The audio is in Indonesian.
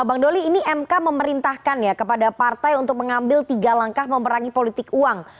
bang doli ini mk memerintahkan ya kepada partai untuk mengambil tiga langkah memerangi politik uang